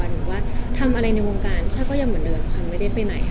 หรือว่าทำอะไรในวงการชาก็ยังเหมือนเดิมค่ะไม่ได้ไปไหนค่ะ